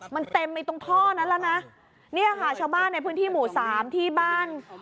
มันเต็มไปตรงท่อนั้นแล้วนะเนี่ยค่ะชาวบ้านในพื้นที่หมู่สามที่บ้าน